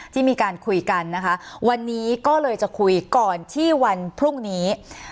ที่มีการคุยกันนะคะวันนี้ก็เลยจะคุยก่อนที่วันพรุ่งนี้